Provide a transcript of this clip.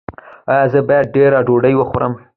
ایا زه باید ډیره ډوډۍ وخورم؟